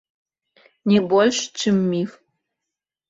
Не больш, чым міф.